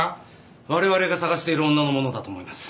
我々が捜している女のものだと思います。